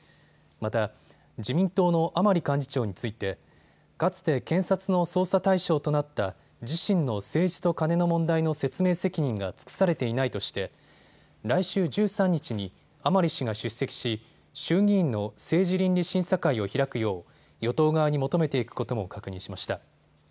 また自民党の甘利幹事長についてかつて検察の捜査対象となった自身の政治とカネの問題の説明責任が尽くされていないとして来週１３日に甘利氏が出席し衆議院の政治倫理審査会を開くよう与党側に求めていくことも確認しました。